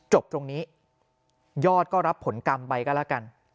จบตรงนี้ยอดก็รับผลกรรมไปก็แล้วกัน